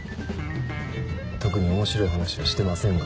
特に面白い話はしてませんが。